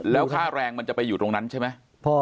แล้วค่าแรงมันจะไปอยู่ตรงนั้นใช่ไหม